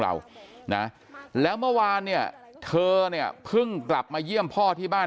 เรานะแล้วเมื่อวานเนี่ยเธอเนี่ยเพิ่งกลับมาเยี่ยมพ่อที่บ้าน